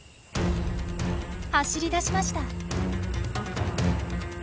走りだしました。